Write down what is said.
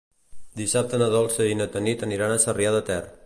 Dissabte na Dolça i na Tanit aniran a Sarrià de Ter.